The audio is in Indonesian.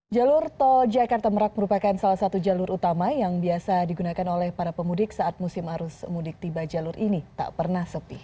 jalur tol jakarta merak merupakan salah satu jalur utama yang biasa digunakan oleh para pemudik saat musim arus mudik tiba jalur ini tak pernah sepi